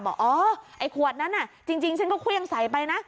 บอกอ๋อไอ้ขวดนั้นจริงฉันก็เครื่องใส่ไปนะ